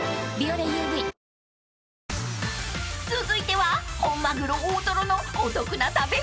［続いては］